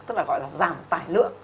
tức là gọi là giảm tài lượng